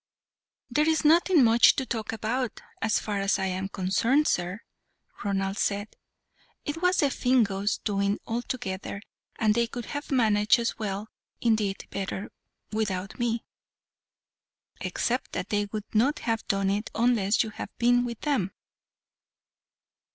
"There is nothing much to talk about, as far as I am concerned, sir," Ronald said. "It was the Fingoes' doing altogether, and they could have managed as well, indeed better, without me." "Except that they would not have done it, unless you had been with them."